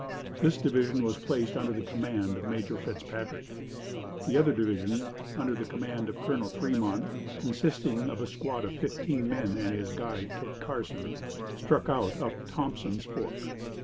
This division was placed under the command of Major Fitzpatrick. The other division under the command of Colonel Fremont, consisting of a squad of fifteen men and his guide Kit Carson, struck out up Thompson's Fork.